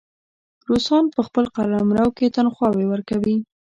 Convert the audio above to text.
روسان په خپل قلمرو کې تنخواوې ورکوي.